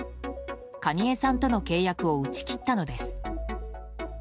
カニエさんとの契約を打ち切ったのです。